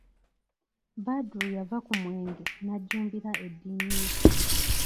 Badru yava ku mwenge n'ajjumbira eddiini ye.